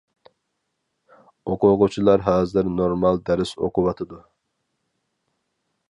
ئوقۇغۇچىلار ھازىر نورمال دەرس ئوقۇۋاتىدۇ.